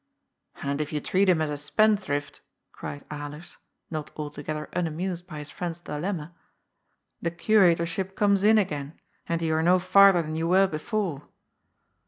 " And if you treat him as a spendthrift," cried Alers, not altogether unamused by his friend's dilemma, ^^the curatorship comes in again.* And you are no farther than you were before."